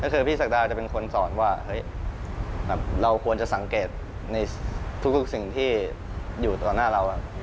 ก็คือพี่ศักดาจะเป็นคนสอนว่าเฮ้ยเราควรจะสังเกตในทุกสิ่งที่อยู่ต่อหน้าเรา